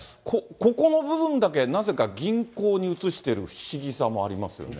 ここの部分だけ、なぜか銀行に移してる不思議さもありますよね。